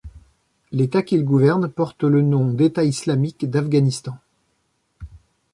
L'État qu'il gouverne porte le nom d'État islamique d'Afghanistan.